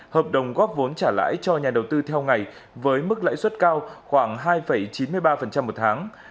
hợp đồng góp vốn trả lãi cho nhà đầu tư theo ngày với mức lãi suất cao khoảng hai chín mươi ba một tháng